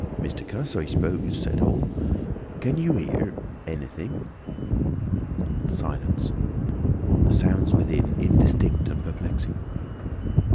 "Mr. Cuss, I s'pose," said Hall. "Can you hear—anything?" Silence. The sounds within indistinct and perplexing.